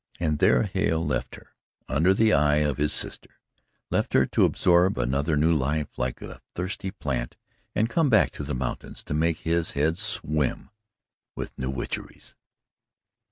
And there Hale left her under the eye of his sister left her to absorb another new life like a thirsty plant and come back to the mountains to make his head swim with new witcheries.